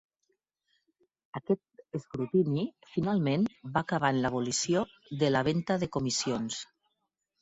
Aquest escrutini finalment va acabar en l'abolició de la venta de comissions.